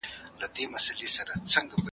د کارګرانو هوساینه د شرکتونو بریا پورې تړلې ده.